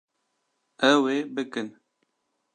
Ew ê bikin